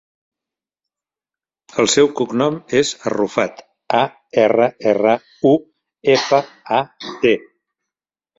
El seu cognom és Arrufat: a, erra, erra, u, efa, a, te.